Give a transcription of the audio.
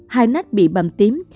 hai nách bị bầm tím